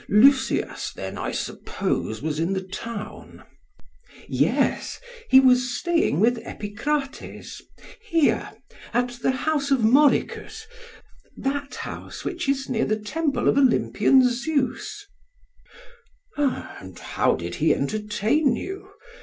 Lysias then, I suppose, was in the town? PHAEDRUS: Yes, he was staying with Epicrates, here at the house of Morychus; that house which is near the temple of Olympian Zeus. SOCRATES: And how did he entertain you?